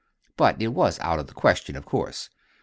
But it was out of the question, of course.